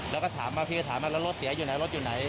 แล้วก็ถามว่าพี่ก็ถามมาแล้วรถเสียอยู่ไหนรถอยู่ไหน